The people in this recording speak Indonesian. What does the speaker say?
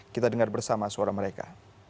kita dengar bersama suara mereka